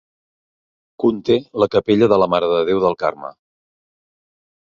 Conté la capella de la Mare de Déu del Carme.